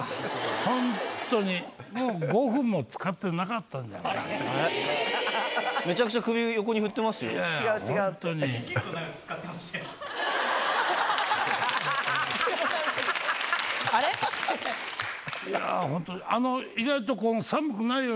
本当に、もう５分もつかってなかったんじゃないかな。